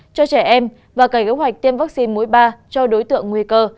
cho trẻ em và cảnh góp hoạch tiêm vaccine mũi ba cho đối tượng nguy cơ